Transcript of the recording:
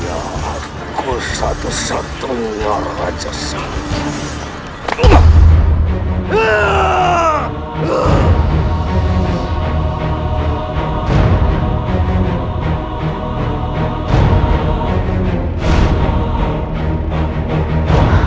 ya aku satu satunya raja sanggup